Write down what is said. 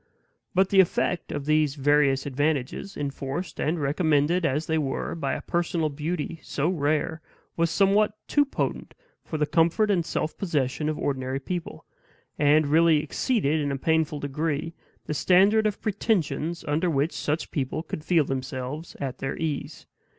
But the effect of these various advantages, enforced and recommended as they were by a personal beauty so rare, was somewhat too potent for the comfort and self possession of ordinary people; and really exceeded in a painful degree the standard of pretensions under which such people could feel themselves at their ease.